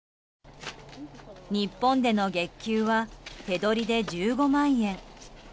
日本での月給は手取りで１５万円。